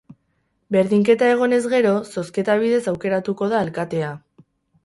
Berdinketa egonez gero, zozketa bidez aukeratuko da alkatea.